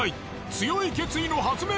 強い決意の発明